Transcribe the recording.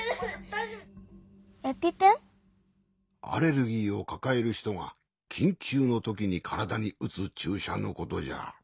アレルギーをかかえるひとがきんきゅうのときにからだにうつちゅうしゃのことじゃ。